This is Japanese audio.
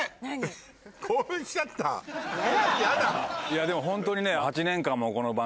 いやでもホントにね。